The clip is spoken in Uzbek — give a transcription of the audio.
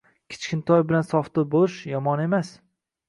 Kichkintoy bilan sofdil bo‘lish – yomon emas.